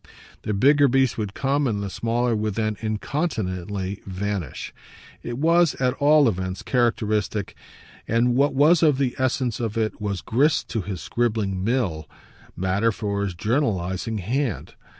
The bigger beast would come and the smaller would then incontinently vanish. It was at all events characteristic, and what was of the essence of it was grist to his scribbling mill, matter for his journalising hand.